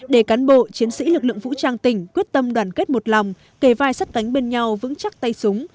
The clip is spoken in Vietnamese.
để cán bộ chiến sĩ lực lượng vũ trang tỉnh quyết tâm đoàn kết một lòng kề vai sắt cánh bên nhau vững chắc tay súng